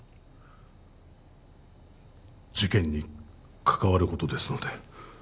事件に関わることですので